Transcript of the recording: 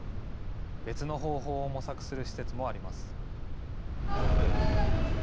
別の方法を模索する施設もあります。